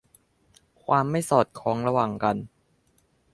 ความไม่สอดคล้องระหว่างกัน